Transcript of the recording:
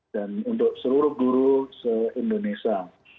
dan untuk seluruh guru se indonesia